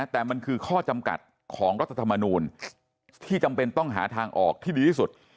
แต่มันคือข้อจำกัดของรัฐธรรมนูลที่จำเป็นต้องหาทางออกที่ดีที่สุด